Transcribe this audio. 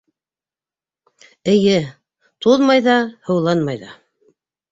— Эйе, туҙмай ҙа, һыуланмай ҙа.